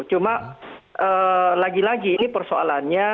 cuma lagi lagi ini persoalannya